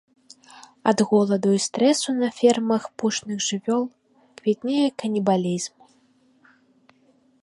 Ад голаду і стрэсу на фермах пушных жывёл квітнее канібалізм.